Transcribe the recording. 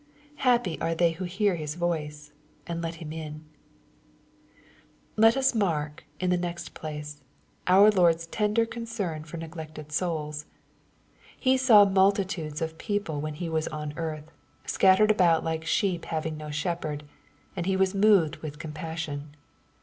'' Happy are they who hear His voice, and let Him in I Let us mark, in the next place, our Lord's tender con cern/or neglected souls. " He saw multitudes" of people when He was on earth, scattered about "like sheep having no shepherd,'^ and He was moved with compassion.